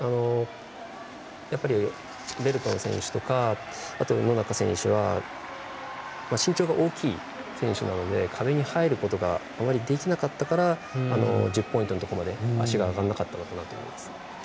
ベルトン選手とか野中選手は身長が大きい選手で壁に入ることがあまりできなかったから１０ポイントのところまで足が上がらなかったのかなと思います。